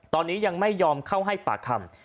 ตอนนี้ยังไม่ยอมเข้าให้ปากคำ